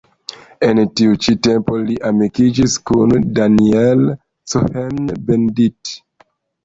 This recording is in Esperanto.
En tiu ĉi tempo li amikiĝis kun Daniel Cohn-Bendit.